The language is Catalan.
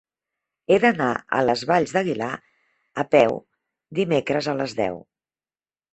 He d'anar a les Valls d'Aguilar a peu dimecres a les deu.